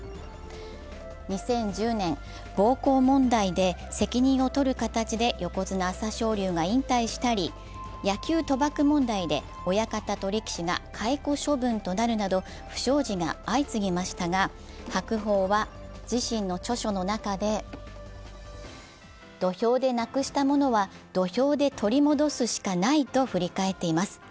２０１０年、暴行問題で責任をとる形で横綱・朝青龍が引退したり野球賭博問題で親方と力士が解雇処分となるなど不祥事が相次ぎましたが、白鵬は自身の著書の中で、土俵でなくしたものは土俵で取り戻すしかないと振り返っています。